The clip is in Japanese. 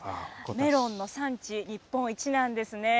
メロンの産地日本一なんですね。